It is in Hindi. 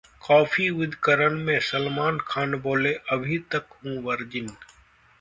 'कॉफी विद करण' में सलमान खान बोले, 'अभी तक हूं वर्जिन'